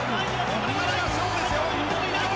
ここからが勝負ですよ。